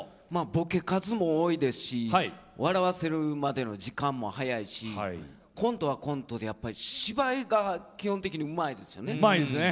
ボケ数も多いですし笑わせるまでの時間も早いしコントはコントで芝居が基本的にうまいですよね。